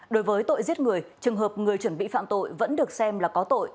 đối với tội giết người trường hợp người chuẩn bị phạm tội vẫn được xem là có tội